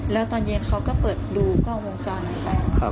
แล้วตอนเย็นเขาก็เปิดดูกล้องวงจรนะคะ